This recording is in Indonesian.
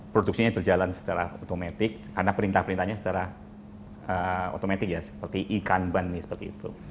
produksinya berjalan secara otomatik karena perintah perintahnya secara otomatis ya seperti ikan ban seperti itu